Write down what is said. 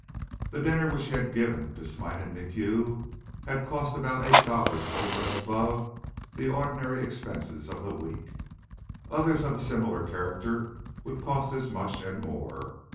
The dinner which he had given to Smite and MacHugh had cost about eight dollars over and above the ordinary expenses of the week. Others of a similar character would cost as much and more.